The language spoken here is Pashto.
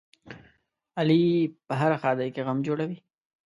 علي په هره ښادۍ کې غم جوړوي.